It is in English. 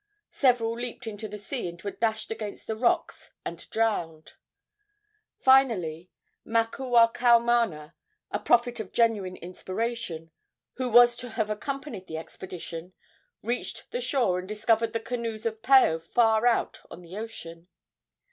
Several leaped into the sea and were dashed against the rocks and drowned. Finally Makuakaumana, a prophet of genuine inspiration, who was to have accompanied the expedition, reached the shore and discovered the canoes of Paao far out on the ocean.